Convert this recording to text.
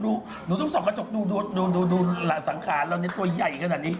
หนูต้องส่องกระจกดูดูสังขารเราเนี่ยตัวใหญ่ขนาดนี้